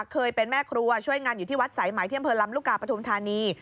เคยเป็นแม่ครัวช่วยงานอยู่ที่วัดสายไหมที่อำเภอลำลูกกาปฐุมธานี